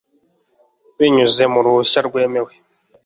binyuze mu ruhushya rwemewe